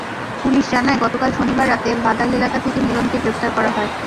Police জানায় গতকাল শনিবার রাতে ভাদাইল এলাকা থেকে মিলনকে গ্রেপ্তার করা হয়।